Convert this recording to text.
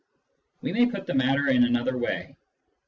We may put the matter in another way.